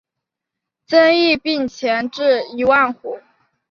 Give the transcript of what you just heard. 增邑并前至一万户。